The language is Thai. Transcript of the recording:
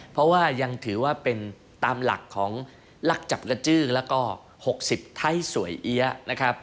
เพราะว่ายังถือว่าเป็นตามหลักของลักจับกระจื้อแล้วก็๖๐ไทยสวยเอี๊ยะนะครับ